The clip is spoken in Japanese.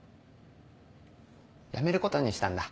辞めることにしたんだ。